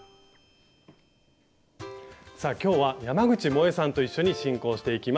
さあ今日は山口もえさんと一緒に進行していきます。